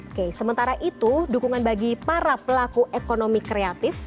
oke sementara itu dukungan bagi para pelaku ekonomi kreatif